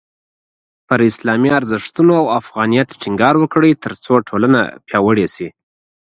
په اسلامي ارزښتونو او افغانیت ټینګار وکړئ، ترڅو ټولنه پیاوړې شي.